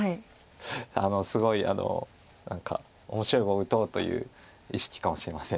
すごい何か面白い碁を打とうという意識かもしれません。